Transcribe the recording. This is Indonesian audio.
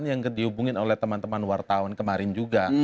yang dihubungin oleh teman teman wartawan kemarin juga